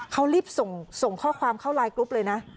เขารีบส่งข้อความเข้าไลน์กรุ๊ปเลยนะ